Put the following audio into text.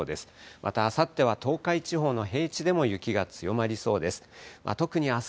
またあさっては東海地方の平地でも雪が強まりそうです。